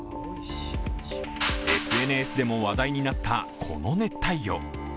ＳＮＳでも話題になったこの熱帯魚。